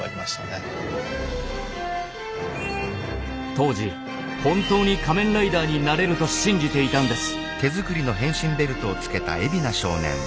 当時本当に仮面ライダーになれると信じていたんです。